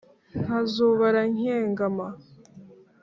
nkazubara nkegama